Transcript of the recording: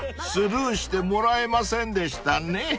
［スルーしてもらえませんでしたね］